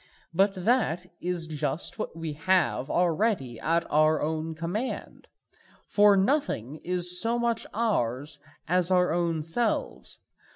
But that is just what we have already at our own command. For nothing is so much ours as our own selves.